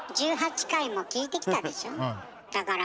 １８回も聞いてきたでしょ。